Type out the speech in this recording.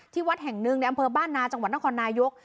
วัดแห่งหนึ่งในอำเภอบ้านนาจังหวัดนครนายก